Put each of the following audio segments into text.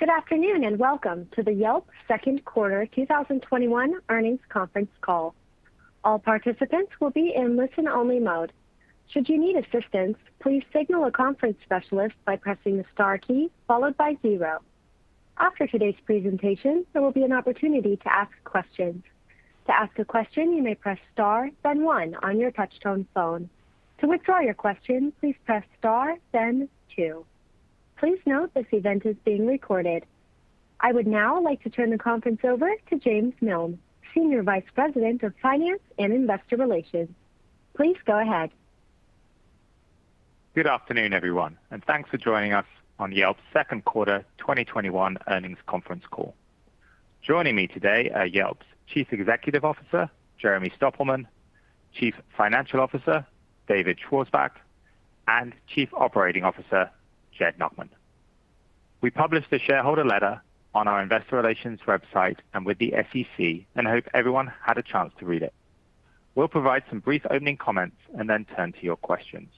Good afternoon. Welcome to the Yelp Second Quarter 2021 Earnings Conference Call. All participants will be in listen-only mode. Should you need assistance, please signal a conference specialist by pressing the star key followed by zero. After today's presentation, there will be an opportunity to ask questions. To ask a question, you may press star, then one on your touch-tone phone. To withdraw your question, please press star, then two. Please note this event is being recorded. I would now like to turn the conference over to James Miln, Senior Vice President of Finance and Investor Relations. Please go ahead. Good afternoon, everyone, and thanks for joining us on Yelp's Second Quarter 2021 Earnings Conference Call. Joining me today are Yelp's Chief Executive Officer, Jeremy Stoppelman, Chief Financial Officer, David Schwarzbach, and Chief Operating Officer, Jed Nachman. We published the shareholder letter on our investor relations website and with the SEC, and hope everyone had a chance to read it. We'll provide some brief opening comments and then turn to your questions.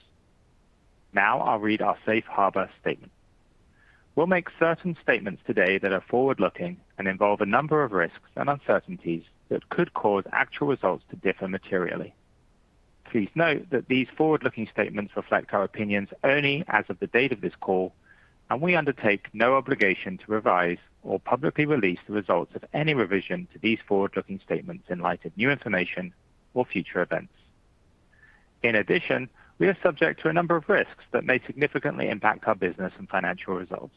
Now I'll read our safe harbor statement. We'll make certain statements today that are forward-looking and involve a number of risks and uncertainties that could cause actual results to differ materially. Please note that these forward-looking statements reflect our opinions only as of the date of this call, and we undertake no obligation to revise or publicly release the results of any revision to these forward-looking statements in light of new information or future events. In addition, we are subject to a number of risks that may significantly impact our business and financial results.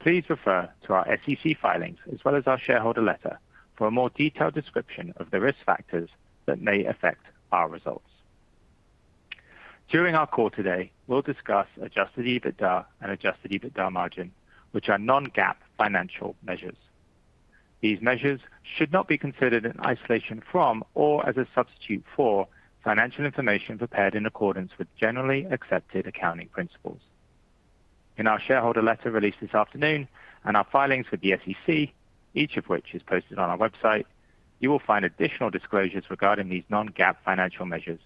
Please refer to our SEC filings as well as our shareholder letter for a more detailed description of the risk factors that may affect our results. During our call today, we'll discuss adjusted EBITDA and adjusted EBITDA margin, which are non-GAAP financial measures. These measures should not be considered in isolation from or as a substitute for financial information prepared in accordance with Generally Accepted Accounting Principles. In our shareholder letter released this afternoon and our filings with the SEC, each of which is posted on our website, you will find additional disclosures regarding these non-GAAP financial measures,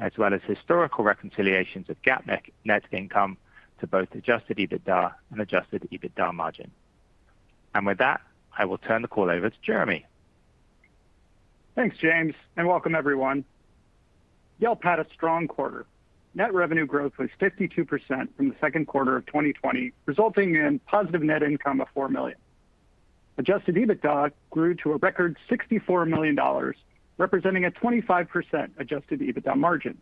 as well as historical reconciliations of GAAP net income to both adjusted EBITDA and adjusted EBITDA margin. With that, I will turn the call over to Jeremy. Thanks, James, and welcome everyone. Yelp had a strong quarter. Net revenue growth was 52% from the second quarter of 2020, resulting in positive net income of $4 million. Adjusted EBITDA grew to a record $64 million, representing a 25% adjusted EBITDA margin.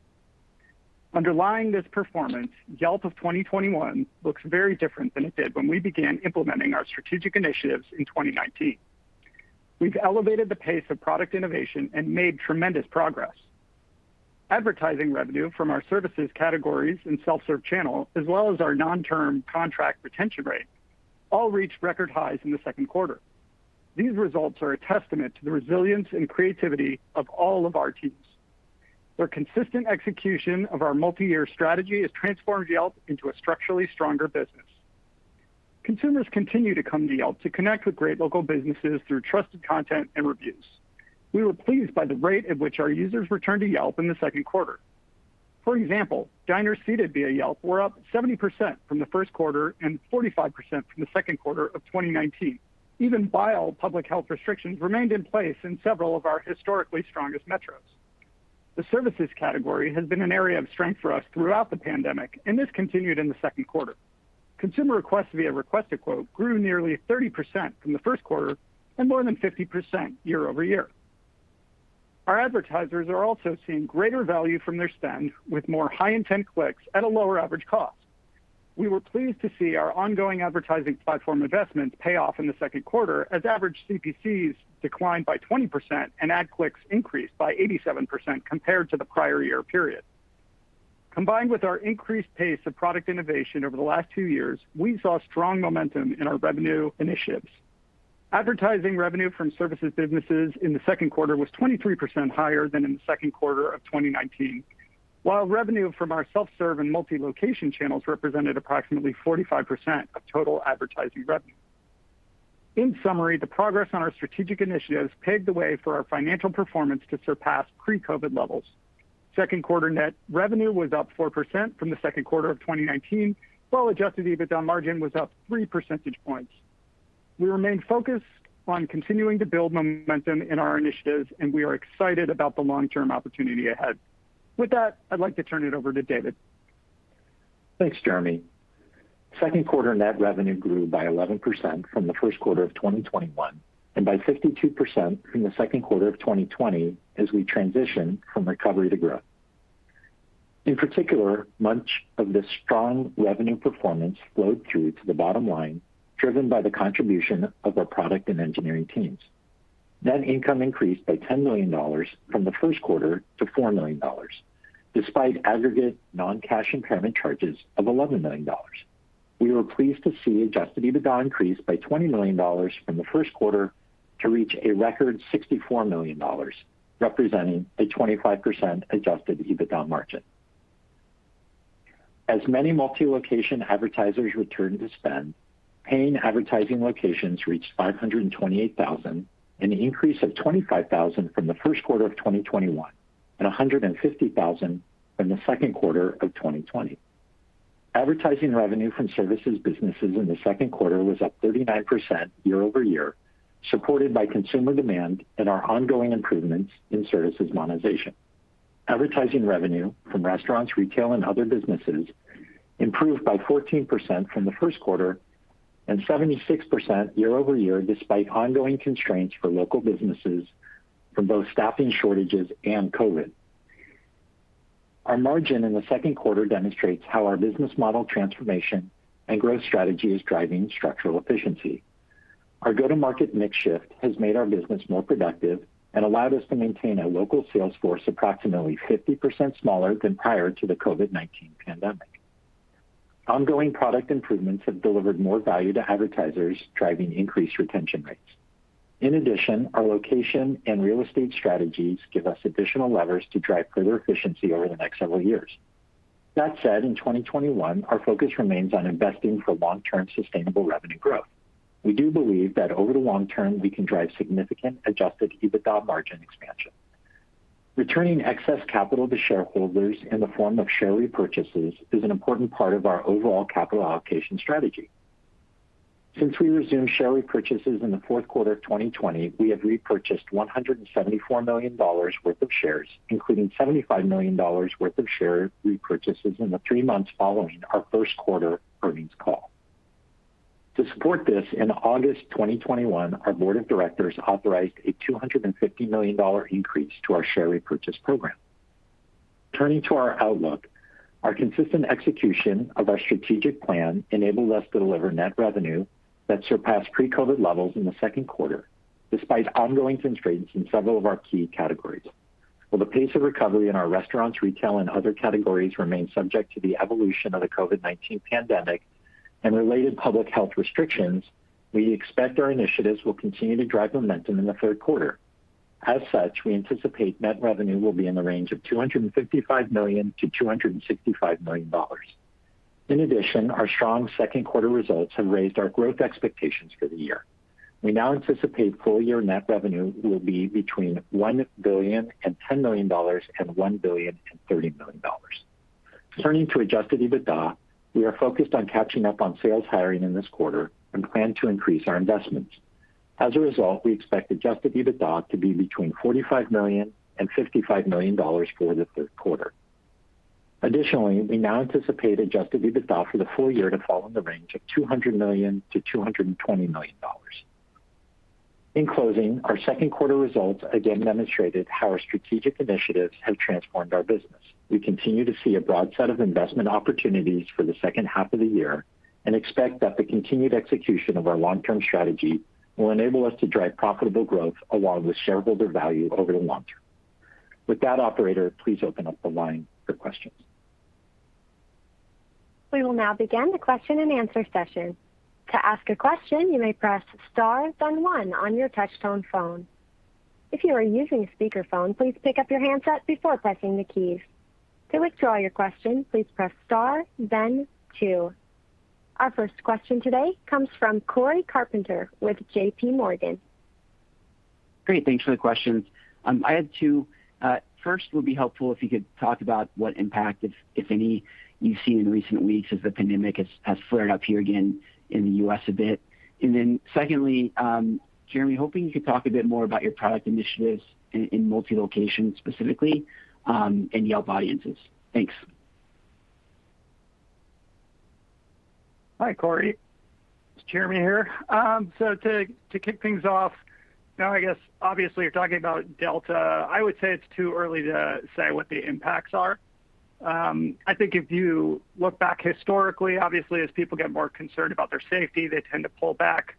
Underlying this performance, Yelp of 2021 looks very different than it did when we began implementing our strategic initiatives in 2019. We've elevated the pace of product innovation and made tremendous progress. Advertising revenue from our services categories and self-serve channel, as well as our non-term contract retention rate, all reached record highs in the second quarter. These results are a testament to the resilience and creativity of all of our teams. Their consistent execution of our multi-year strategy has transformed Yelp into a structurally stronger business. Consumers continue to come to Yelp to connect with great local businesses through trusted content and reviews. We were pleased by the rate at which our users returned to Yelp in the second quarter. For example, diners seated via Yelp were up 70% from the first quarter and 45% from the second quarter of 2019, even while public health restrictions remained in place in several of our historically strongest metros. The services category has been an area of strength for us throughout the pandemic, and this continued in the second quarter. Consumer requests via Request a Quote grew nearly 30% from the first quarter and more than 50% year over year. Our advertisers are also seeing greater value from their spend with more high-intent clicks at a lower average cost. We were pleased to see our ongoing advertising platform investments pay off in the second quarter as average CPCs declined by 20% and ad clicks increased by 87% compared to the prior year period. Combined with our increased pace of product innovation over the last two years, we saw strong momentum in our revenue initiatives. Advertising revenue from services businesses in the second quarter was 23% higher than in the second quarter of 2019. While revenue from our self-serve and multi-location channels represented approximately 45% of total advertising revenue. In summary, the progress on our strategic initiatives paved the way for our financial performance to surpass pre-COVID levels. Second quarter net revenue was up 4% from the second quarter of 2019, while adjusted EBITDA margin was up three percentage points. We remain focused on continuing to build momentum in our initiatives, and we are excited about the long-term opportunity ahead. With that, I'd like to turn it over to David. Thanks, Jeremy. Second quarter net revenue grew by 11% from the first quarter of 2021 and by 52% from the second quarter of 2020 as we transition from recovery to growth. In particular, much of this strong revenue performance flowed through to the bottom line, driven by the contribution of our product and engineering teams. Net income increased by $10 million from the first quarter to $4 million, despite aggregate non-cash impairment charges of $11 million. We were pleased to see adjusted EBITDA increase by $20 million from the first quarter to reach a record $64 million, representing a 25% adjusted EBITDA margin. As many multi-location advertisers return to spend, paying advertising locations reached 528,000, an increase of 25,000 from the first quarter of 2021 and 150,000 from the second quarter of 2020. Advertising revenue from services businesses in the second quarter was up 39% year-over-year, supported by consumer demand and our ongoing improvements in services monetization. Advertising revenue from restaurants, retail, and other businesses improved by 14% from the first quarter and 76% year-over-year, despite ongoing constraints for local businesses from both staffing shortages and COVID-19. Our margin in the second quarter demonstrates how our business model transformation and growth strategy is driving structural efficiency. Our go-to-market mix shift has made our business more productive and allowed us to maintain a local sales force approximately 50% smaller than prior to the COVID-19 pandemic. Ongoing product improvements have delivered more value to advertisers, driving increased retention rates. In addition, our location and real estate strategies give us additional levers to drive further efficiency over the next several years. That said, in 2021, our focus remains on investing for long-term sustainable revenue growth. We do believe that over the long term, we can drive significant adjusted EBITDA margin expansion. Returning excess capital to shareholders in the form of share repurchases is an important part of our overall capital allocation strategy. Since we resumed share repurchases in the fourth quarter of 2020, we have repurchased $174 million worth of shares, including $75 million worth of share repurchases in the three months following our first quarter earnings call. To support this, in August 2021, our board of directors authorized a $250 million increase to our share repurchase program. Turning to our outlook, our consistent execution of our strategic plan enabled us to deliver net revenue that surpassed pre-COVID-19 levels in the second quarter, despite ongoing constraints in several of our key categories. While the pace of recovery in our restaurants, retail, and other categories remain subject to the evolution of the COVID-19 pandemic and related public health restrictions, we expect our initiatives will continue to drive momentum in the third quarter. As such, we anticipate net revenue will be in the range of $255 million-$265 million. In addition, our strong second quarter results have raised our growth expectations for the year. We now anticipate full-year net revenue will be between $1 billion and $10 million and $1 billion and $30 million. Turning to adjusted EBITDA, we are focused on catching up on sales hiring in this quarter and plan to increase our investments. As a result, we expect adjusted EBITDA to be between $45 million and $55 million for the third quarter. Additionally, we now anticipate adjusted EBITDA for the full year to fall in the range of $200 million-$220 million. In closing, our second quarter results again demonstrated how our strategic initiatives have transformed our business. We continue to see a broad set of investment opportunities for the second half of the year and expect that the continued execution of our long-term strategy will enable us to drive profitable growth along with shareholder value over the long term. With that, operator, please open up the line for questions. Our first question today comes from Cory Carpenter with JPMorgan. Great. Thanks for the questions. I had two. First, it would be helpful if you could talk about what impact, if any, you've seen in recent weeks as the pandemic has flared up here again in the U.S. a bit. Secondly, Jeremy, hoping you could talk a bit more about your product initiatives in multi-location specifically, and Yelp Audiences. Thanks. Hi, Cory. It's Jeremy here. To kick things off, I guess obviously you're talking about Delta. I would say it's too early to say what the impacts are. I think if you look back historically, obviously as people get more concerned about their safety, they tend to pull back.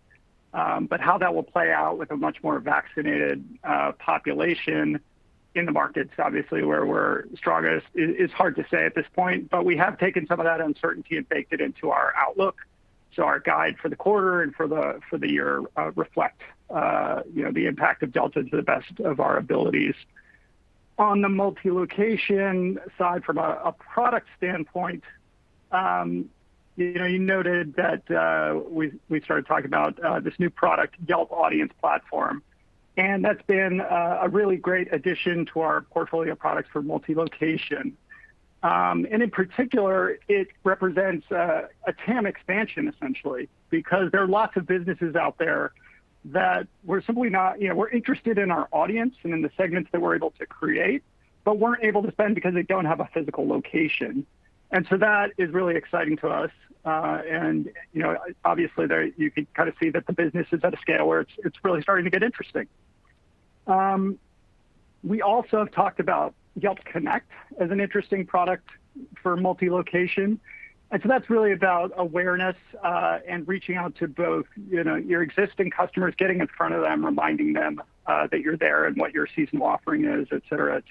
How that will play out with a much more vaccinated population in the markets, obviously, where we're strongest, is hard to say at this point. We have taken some of that uncertainty and baked it into our outlook, so our guide for the quarter and for the year reflect the impact of Delta to the best of our abilities. On the multi-location side, from a product standpoint, you noted that we started talking about this new product, Yelp Audiences, and that's been a really great addition to our portfolio of products for multi-location. In particular, it represents a TAM expansion, essentially, because there are lots of businesses out there that were simply interested in our audience and in the segments that we're able to create, but weren't able to spend because they don't have a physical location. That is really exciting to us. Obviously, you can kind of see that the business is at a scale where it's really starting to get interesting. We also have talked about Yelp Connect as an interesting product for multi-location. That's really about awareness, and reaching out to both your existing customers, getting in front of them, reminding them that you're there and what your seasonal offering is, et cetera.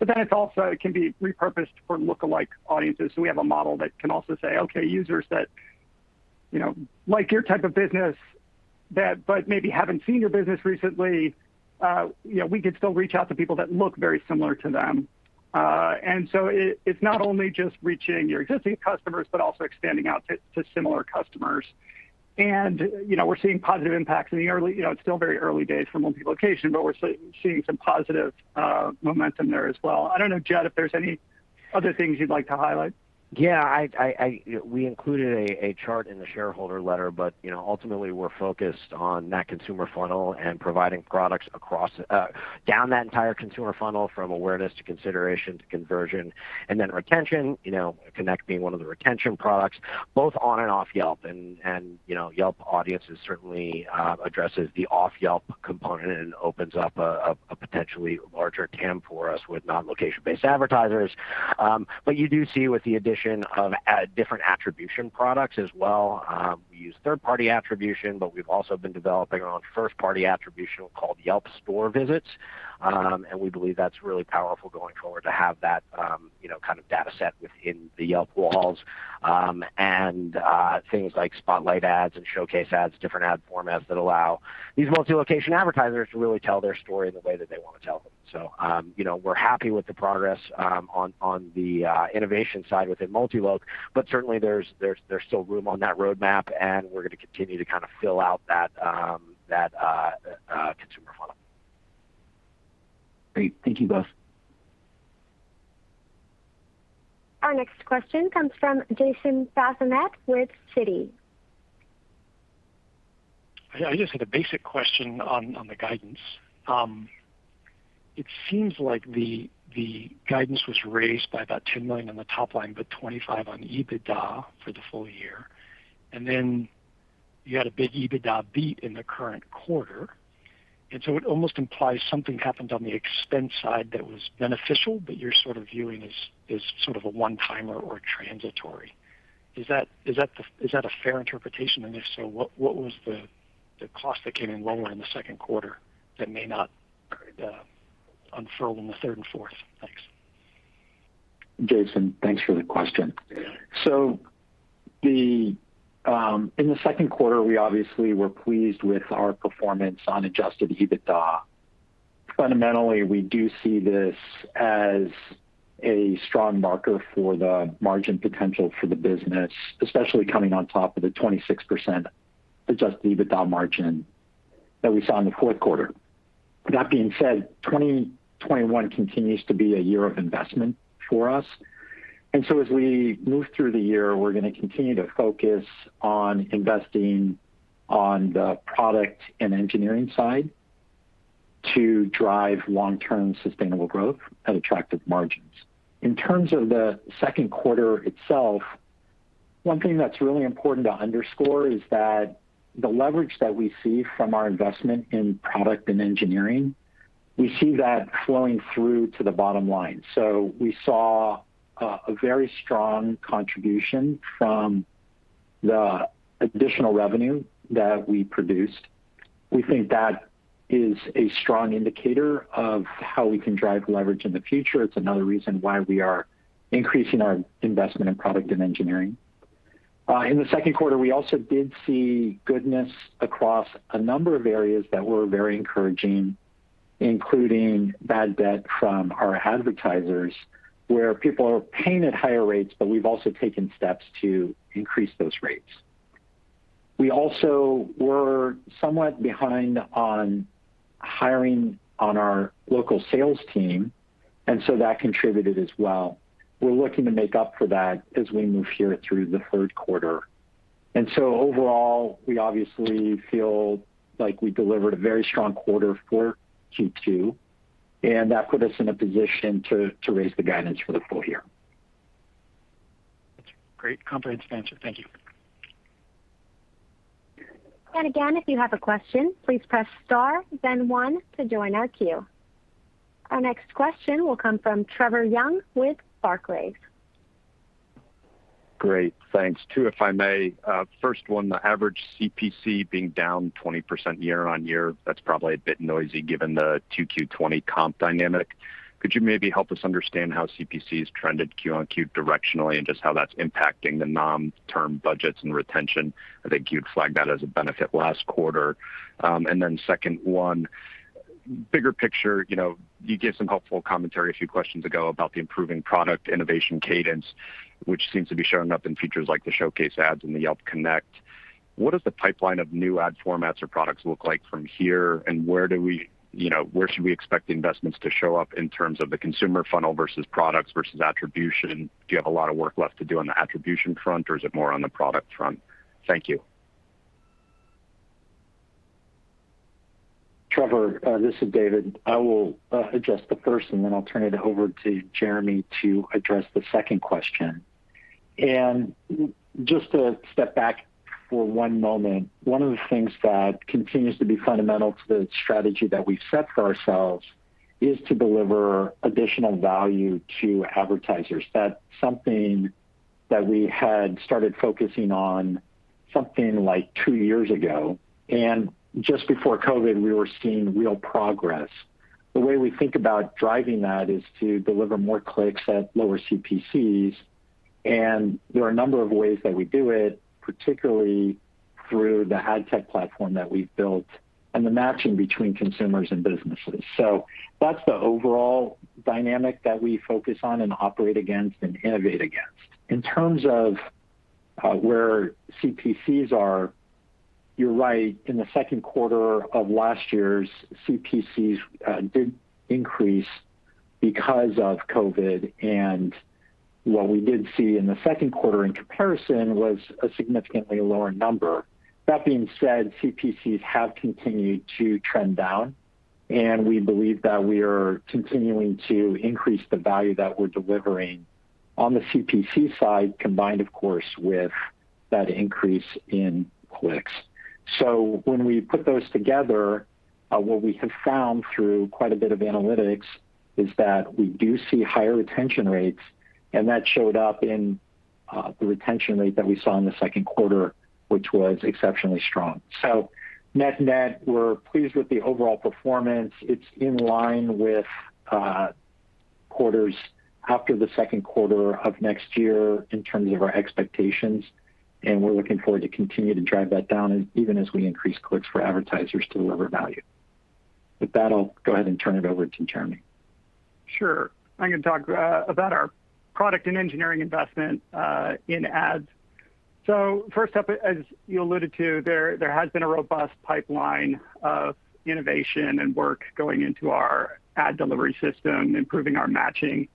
It also can be repurposed for lookalike audiences. We have a model that can also say, okay, users that like your type of business but maybe haven't seen your business recently, we could still reach out to people that look very similar to them. It's not only just reaching your existing customers, but also extending out to similar customers. We're seeing positive impacts in the early, it's still very early days for multi-location, but we're seeing some positive momentum there as well. I don't know, Jed, if there's any other things you'd like to highlight. Yeah. We included a chart in the shareholder letter, but ultimately, we're focused on that consumer funnel and providing products down that entire consumer funnel from awareness to consideration to conversion and then retention, Connect being one of the retention products, both on and off Yelp. Yelp Audiences certainly addresses the off-Yelp component and opens up a potentially larger TAM for us with non-location-based advertisers. You do see with the addition of different attribution products as well, we use third-party attribution, but we've also been developing our own first-party attribution called Yelp Store Visits. We believe that's really powerful going forward to have that kind of data set within the Yelp walls. Things like Spotlight Ads and Showcase Ads, different ad formats that allow these multi-location advertisers to really tell their story the way that they want to tell them. We're happy with the progress on the innovation side within multi-loc, but certainly there's still room on that roadmap, and we're going to continue to kind of fill out that consumer funnel. Great. Thank you both. Our next question comes from Jason Bazinet with Citi. I just had a basic question on the guidance. It seems like the guidance was raised by about $10 million on the top line, but $25 on EBITDA for the full year, and then you had a big EBITDA beat in the current quarter. It almost implies something happened on the expense side that was beneficial, but you're sort of viewing as sort of a one-timer or transitory. Is that a fair interpretation? If so, what was the cost that came in lower in the second quarter that may not unfurl in the third and fourth? Thanks. Jason, thanks for the question. In the second quarter, we obviously were pleased with our performance on adjusted EBITDA. Fundamentally, we do see this as a strong marker for the margin potential for the business, especially coming on top of the 26% adjusted EBITDA margin that we saw in the fourth quarter. That being said, 2021 continues to be a year of investment for us. As we move through the year, we're going to continue to focus on investing on the product and engineering side to drive long-term sustainable growth at attractive margins. In terms of the second quarter itself, one thing that's really important to underscore is that the leverage that we see from our investment in product and engineering, we see that flowing through to the bottom line. We saw a very strong contribution from the additional revenue that we produced. We think that is a strong indicator of how we can drive leverage in the future. It's another reason why we are increasing our investment in product and engineering. In the second quarter, we also did see goodness across a number of areas that were very encouraging, including bad debt from our advertisers, where people are paying at higher rates, but we've also taken steps to increase those rates. We also were somewhat behind on hiring on our local sales team, and so that contributed as well. We're looking to make up for that as we move here through the third quarter. Overall, we obviously feel like we delivered a very strong quarter for Q2, and that put us in a position to raise the guidance for the full year. That's a great, comprehensive answer. Thank you. Again, if you have a question, please press star then 1 to join our queue. Our next question will come from Trevor Young with Barclays. Great. Thanks. Two, if I may. First one, the average CPC being down 20% year-on-year, that's probably a bit noisy given the 2Q 2020 comp dynamic. Could you maybe help us understand how CPC has trended Q-on-Q directionally and just how that's impacting the non-term budgets and retention? I think you'd flagged that as a benefit last quarter. Then second one, bigger picture. You gave some helpful commentary a few questions ago about the improving product innovation cadence, which seems to be showing up in features like the Showcase Ads and the Yelp Connect. What does the pipeline of new ad formats or products look like from here, and where should we expect investments to show up in terms of the consumer funnel versus products versus attribution? Do you have a lot of work left to do on the attribution front, or is it more on the product front? Thank you. Trevor, this is David. I will address the first, and then I'll turn it over to Jeremy to address the second question. Just to step back for one moment, one of the things that continues to be fundamental to the strategy that we've set for ourselves is to deliver additional value to advertisers. That's something that we had started focusing on something like two years ago, and just before COVID-19, we were seeing real progress. The way we think about driving that is to deliver more clicks at lower CPCs. There are a number of ways that we do it, particularly through the ad tech platform that we've built and the matching between consumers and businesses. That's the overall dynamic that we focus on and operate against and innovate against. In terms of where CPCs are, you're right. In the second quarter of last year's, CPCs did increase because of COVID, and what we did see in the second quarter in comparison was a significantly lower number. That being said, CPCs have continued to trend down, and we believe that we are continuing to increase the value that we're delivering on the CPC side, combined, of course, with that increase in clicks. When we put those together, what we have found through quite a bit of analytics is that we do see higher retention rates, and that showed up in the retention rate that we saw in the second quarter, which was exceptionally strong. Net-net, we're pleased with the overall performance. It's in line with quarters after the second quarter of next year in terms of our expectations, and we're looking forward to continue to drive that down even as we increase clicks for advertisers to deliver value. With that, I'll go ahead and turn it over to Jeremy. Sure. I'm going to talk about our product and engineering investment in ads. First up, as you alluded to, there has been a robust pipeline of innovation and work going into our ad delivery system, improving our matching,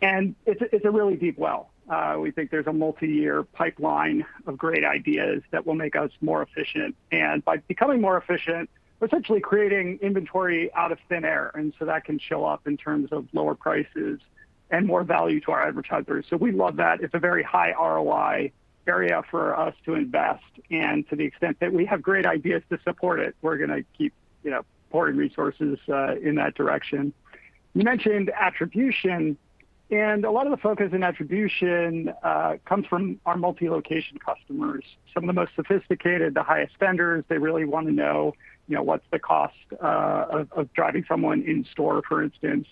and it's a really deep well. We think there's a multi-year pipeline of great ideas that will make us more efficient. By becoming more efficient, we're essentially creating inventory out of thin air, and so that can show up in terms of lower prices and more value to our advertisers. We love that. It's a very high ROI area for us to invest, and to the extent that we have great ideas to support it, we're going to keep pouring resources in that direction. You mentioned attribution, and a lot of the focus in attribution comes from our multi-location customers. Some of the most sophisticated, the highest spenders, they really want to know what's the cost of driving someone in store, for instance.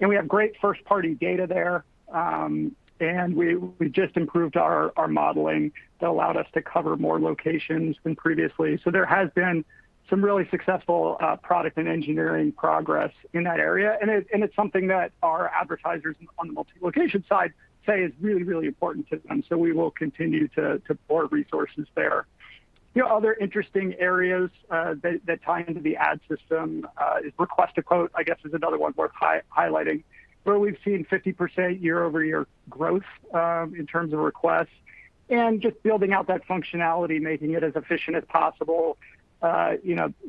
We have great first-party data there, and we just improved our modeling that allowed us to cover more locations than previously. There has been some really successful product and engineering progress in that area, and it's something that our advertisers on the multi-location side say is really, really important to them. We will continue to pour resources there. Other interesting areas that tie into the ad system is Request a Quote, I guess, is another one worth highlighting, where we've seen 50% year-over-year growth in terms of requests. Just building out that functionality, making it as efficient as possible.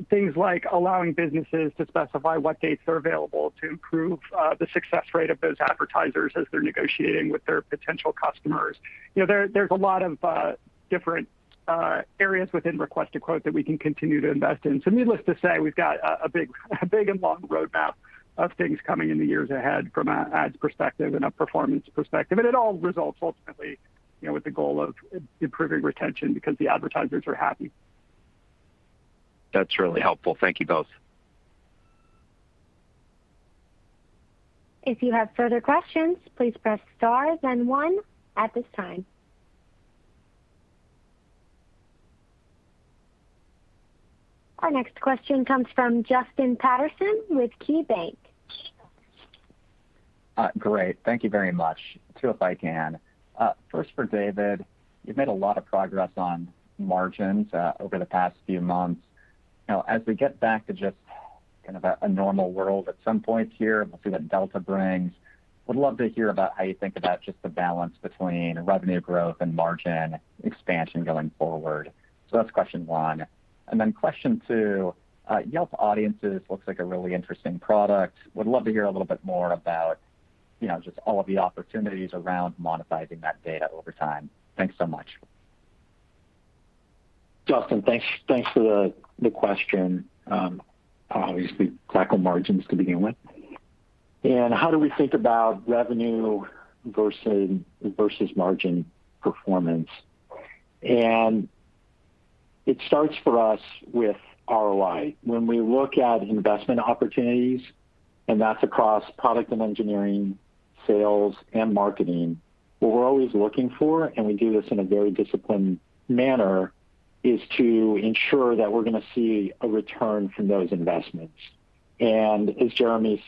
Things like allowing businesses to specify what dates they're available to improve the success rate of those advertisers as they're negotiating with their potential customers. There's a lot of different areas within Request a Quote that we can continue to invest in. Needless to say, we've got a big and long roadmap of things coming in the years ahead from an ads perspective and a performance perspective. It all results ultimately with the goal of improving retention because the advertisers are happy. That's really helpful. Thank you both. If you have further questions, please press star then one at this time. Our next question comes from Justin Patterson with KeyBanc. Great. Thank you very much. Two, if I can. First for David, you've made a lot of progress on margins over the past few months. As we get back to just kind of a normal world at some point here, we'll see what Delta brings. Would love to hear about how you think about just the balance between revenue growth and margin expansion going forward. That's question one. Question two, Yelp Audiences looks like a really interesting product. Would love to hear a little bit more about just all of the opportunities around monetizing that data over time. Thanks so much. Justin, thanks for the question. Obviously, back on margins to begin with, how do we think about revenue versus margin performance. It starts for us with ROI. When we look at investment opportunities, and that's across product and engineering, sales, and marketing, what we're always looking for, and we do this in a very disciplined manner, is to ensure that we're going to see a return from those investments. As Jeremy's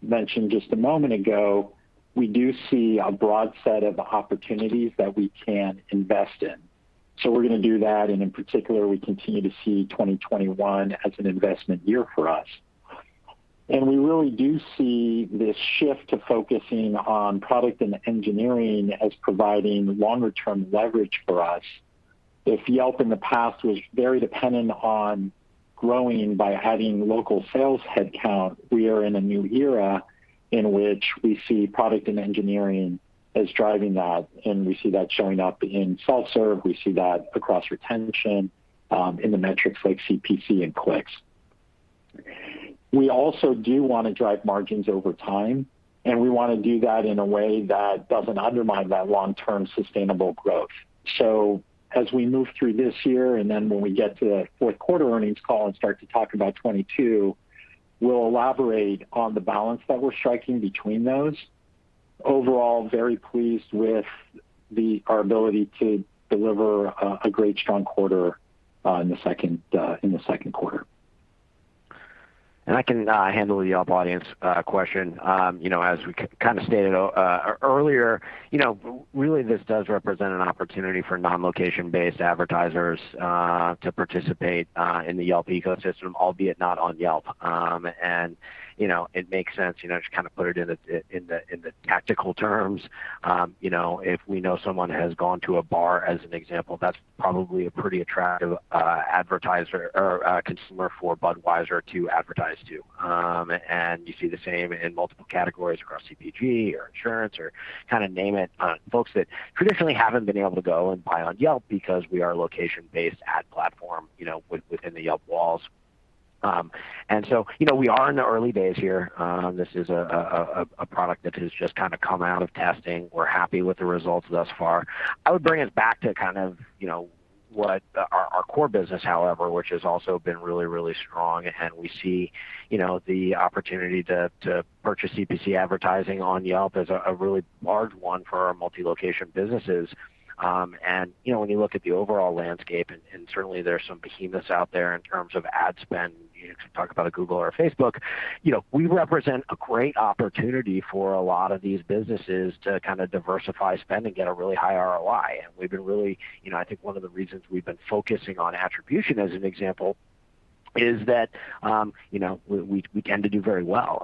mentioned just a moment ago, we do see a broad set of opportunities that we can invest in. We're going to do that, and in particular, we continue to see 2021 as an investment year for us. We really do see this shift to focusing on product and engineering as providing longer-term leverage for us. If Yelp in the past was very dependent on growing by adding local sales headcount, we are in a new era in which we see product and engineering as driving that, and we see that showing up in self-serve. We see that across retention, in the metrics like CPC and clicks. We also do want to drive margins over time, and we want to do that in a way that doesn't undermine that long-term sustainable growth. As we move through this year, and then when we get to the fourth quarter earnings call and start to talk about 2022, we'll elaborate on the balance that we're striking between those. Overall, very pleased with our ability to deliver a great, strong quarter in the second quarter. I can handle the audience question. As we kind of stated earlier, really this does represent an opportunity for non-location-based advertisers to participate in the Yelp ecosystem, albeit not on Yelp. It makes sense, just kind of put it in the tactical terms. If we know someone has gone to a bar, as an example, that's probably a pretty attractive advertiser or consumer for Budweiser to advertise to. You see the same in multiple categories across CPG or insurance or kind of name it. Folks that traditionally haven't been able to go and buy on Yelp because we are a location-based ad platform within the Yelp walls. We are in the early days here. This is a product that has just kind of come out of testing. We're happy with the results thus far. I would bring us back to kind of what our core business, however, which has also been really, really strong and we see the opportunity to purchase CPC advertising on Yelp as a really large one for our multi-location businesses. When you look at the overall landscape, and certainly there's some behemoths out there in terms of ad spend, if you talk about a Google or a Facebook. We represent a great opportunity for a lot of these businesses to kind of diversify spend and get a really high ROI. I think one of the reasons we've been focusing on attribution as an example is that we tend to do very well.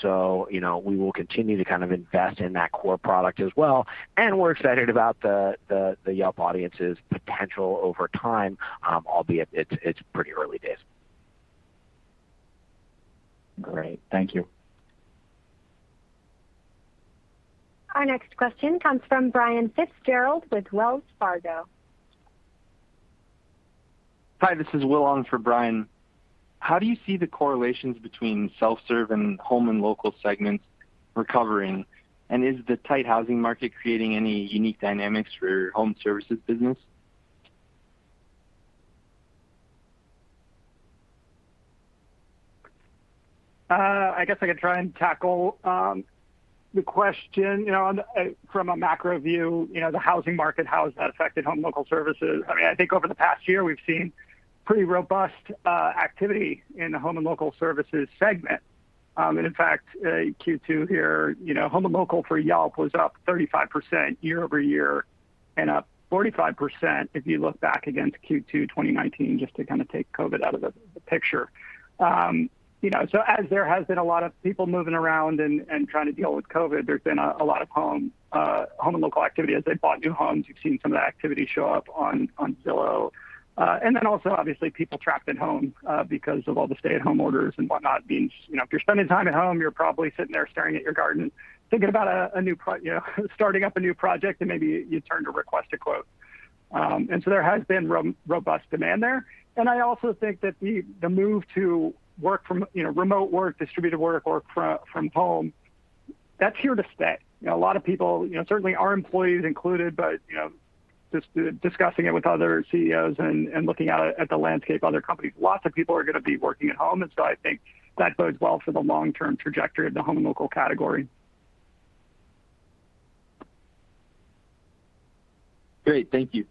So, we will continue to kind of invest in that core product as well, and we're excited about the Yelp Audiences' potential over time, albeit it's pretty early days. Great. Thank you. Our next question comes from Brian Fitzgerald with Wells Fargo. Hi, this is Will on for Brian. How do you see the correlations between self-serve and home and local segments recovering? Is the tight housing market creating any unique dynamics for your home services business? I guess I can try and tackle the question. From a macro view, the housing market, how has that affected home and local services? I think over the past year, we've seen pretty robust activity in the home and local services segment. In fact, Q2 here, home and local for Yelp was up 35% year-over-year, and up 45% if you look back against Q2 2019, just to kind of take COVID out of the picture. As there has been a lot of people moving around and trying to deal with COVID, there's been a lot of home and local activity as they've bought new homes. You've seen some of the activity show up on Zillow. Then also obviously people trapped at home because of all the stay-at-home orders and whatnot means, if you're spending time at home, you're probably sitting there staring at your garden, thinking about starting up a new project, and maybe you turn to Request a Quote. So there has been robust demand there. I also think that the move to remote work, distributed work, or from home, that's here to stay. A lot of people, certainly our employees included, but just discussing it with other CEOs and looking out at the landscape, other companies, lots of people are going to be working at home. So I think that bodes well for the long-term trajectory of the home and local category. Great. Thank you.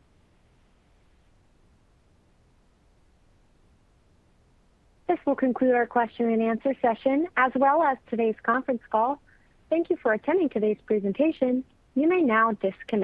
This will conclude our question-and-answer session, as well as today's conference call. Thank you for attending today's presentation. You may now disconnect.